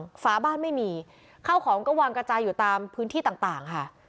ประสาธุภาพบ้านไม่มีเข้าของก็วางกระจายอยู่ตามพื้นที่ต่างค่ะ